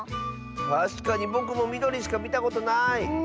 たしかにぼくもみどりしかみたことない。